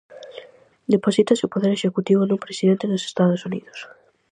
Deposítase o poder executivo nun presidente dos Estados Unidos.